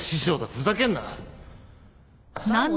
ふざけんな！